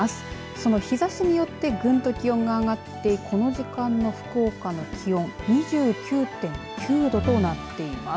その日ざしによってぐんと気温が上がってこの時間の福岡の気温２９．９度となっています。